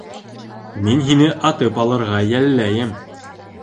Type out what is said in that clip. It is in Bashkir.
Мин һине атып алырға йәлләйем.